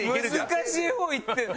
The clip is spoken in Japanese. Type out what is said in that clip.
難しい方いってる！